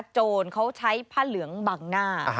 โจรเขาใช้ผ้าเหลืองบังหน้า